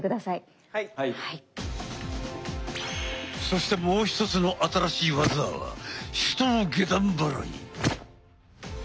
そしてもうひとつの新しい技は手刀下段払い。